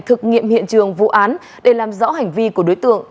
thực nghiệm hiện trường vụ án để làm rõ hành vi của đối tượng